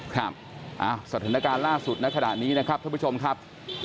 ครับสถานการณ์ล่าสุดในขณะนี้นะครับท่านผู้ชมครับ